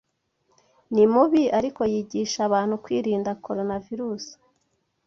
Ni mubi ariko yigisha abantu kwirinda Coronavirus